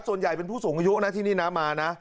ส่วนใหญ่เป็นผู้สูงอายุนะที่นี่นะมานะ